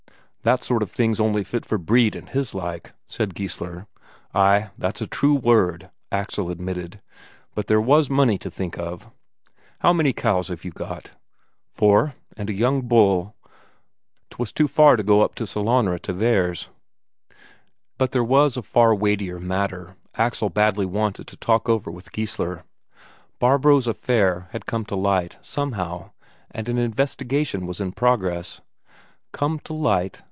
"That sort of thing's only fit for Brede and his like," said Geissler. "Ay, that's a true word," Axel admitted. "But there was the money to think of." "How many cows have you got?" "Four. And a young bull. 'Twas too far to go up to Sellanraa to theirs." But there was a far weightier matter Axel badly wanted to talk over with Geissler; Barbro's affair had come to light, somehow, and an investigation was in progress. Come to light?